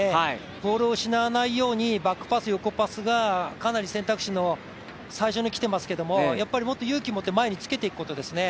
ボールを失わないようにバックパス、横パスがかなり選択肢の最初にきていますけどやっぱりもっと勇気を持って前につけていくことですね。